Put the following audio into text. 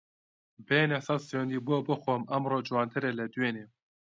بێنە سەد سوێندی بۆ بخۆم ئەمڕۆ جوانترە لە دوێنێ